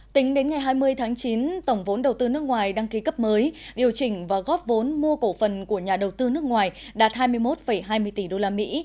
tính đến ngày hai mươi tháng chín tổng vốn đầu tư nước ngoài đăng ký cấp mới điều chỉnh và góp vốn mua cổ phần của nhà đầu tư nước ngoài đạt hai mươi một hai mươi tỷ đô la mỹ